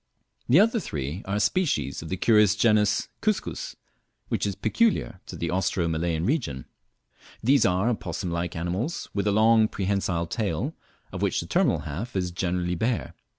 The other three are species of the curious genus Cuscus, which is peculiar to the Austro Malayan region. These are opossum like animals, with a long prehensile tail, of which the terminal half is generally bare.